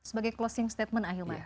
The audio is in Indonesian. sebagai closing statement ahilma